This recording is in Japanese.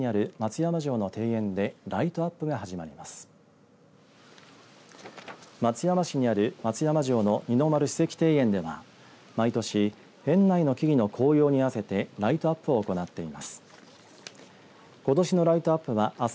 松山市にある松山城の二之丸史跡庭園では、毎年園内の木々の紅葉に合わせてライトアップを行っています。